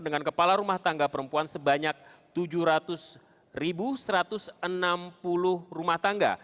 dengan kepala rumah tangga perempuan sebanyak tujuh ratus satu ratus enam puluh rumah tangga